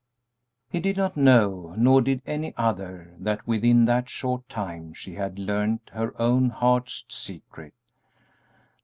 He did not know, nor did any other, that within that short time she had learned her own heart's secret.